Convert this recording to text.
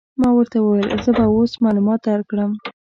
ما ورته وویل: زه به يې اوس معلومات در وکړم.